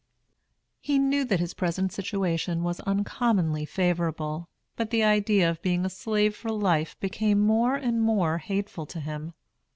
He knew that his present situation was uncommonly favorable; but the idea of being a slave for life became more and more hateful to him.